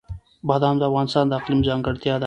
بادام د افغانستان د اقلیم ځانګړتیا ده.